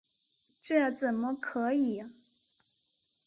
这怎么可以！